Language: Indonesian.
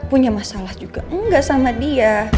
punya masalah juga enggak sama dia